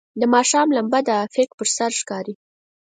د ماښام لمبه د افق پر سر ښکاري.